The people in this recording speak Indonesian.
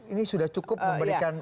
ini sudah cukup memberikan